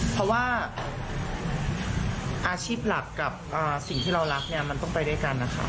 เพราะว่าอาชีพหลักกับสิ่งที่เรารักเนี่ยมันต้องไปด้วยกันนะคะ